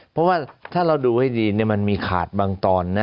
เพราะว่าถ้าเราดูให้ดีมันมีขาดบางตอนนะ